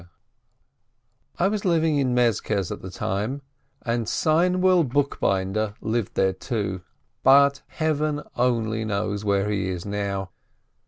POVEETY I was living in Mezkez at the time, and Seinwill Bookbinder lived there too. But Heaven only knows where he is now